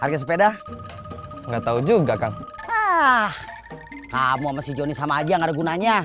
gak tau kang